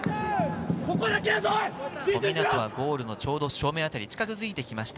小湊はゴールのちょうど正面あたりに近づいてきました。